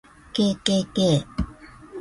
kkk